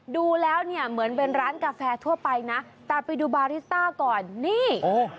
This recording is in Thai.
ดูแล้วเนี่ยเหมือนเป็นร้านกาแฟทั่วไปนะแต่ไปดูบาริสต้าก่อนนี่